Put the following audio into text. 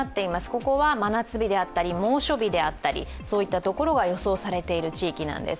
ここは真夏日であったり猛暑日であったりといったところが予想されている地域なんです。